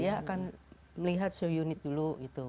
dia akan melihat show unit dulu gitu